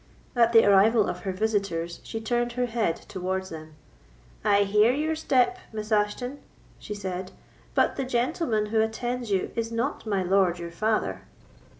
At the arrival of her visitors she turned her head towards them. "I hear your step, Miss Ashton," she said, "but the gentleman who attends you is not my lord, your father."